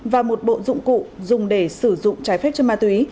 và một bộ dụng cụ dùng để sử dụng trái phép chất ma túy